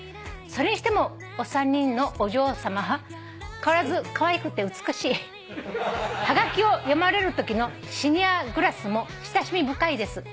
「それにしてもお三人のお嬢さまは変わらずかわいくて美しい」「はがきを読まれるときのシニアグラスも親しみ深いです」